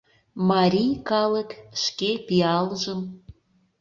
Марий калык, шке пиалжым